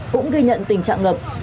cũng ghi nhận tình trạng ngập